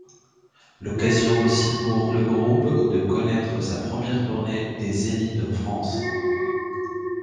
L'occasion aussi pour le groupe de connaitre sa première tournée des Zéniths en France.